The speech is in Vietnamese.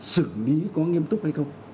xử lý có nghiêm túc hay không